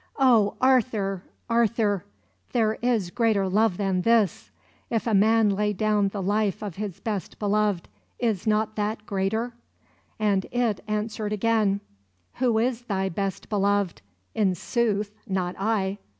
"Oh, Arthur, Arthur; there is greater love than this! If a man lay down the life of his best beloved, is not that greater?" And It answered again: "Who is thy best beloved? In sooth, not I."